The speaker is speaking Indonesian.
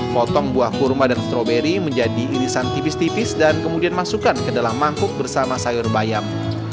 potong buah kurma dan stroberi menjadi irisan tipis tipis dan kemudian masukkan ke dalam mangkuk bersama sayur bayam